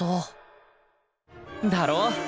だろ。